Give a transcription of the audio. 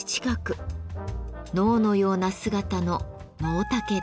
脳のような姿のノウタケです。